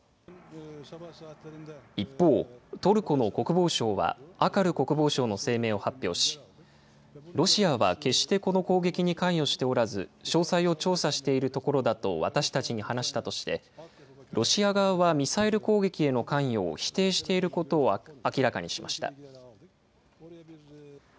一方、トルコの国防省はアカル国防相の声明を発表し、ロシアは決してこの攻撃に関与しておらず、詳細を調査しているところだと私たちに話したとして、ロシア側はミサイル攻撃への関与を否定していることを明らかにしました。